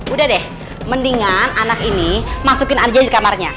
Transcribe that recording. udah deh mendingan anak ini masukin aja di kamarnya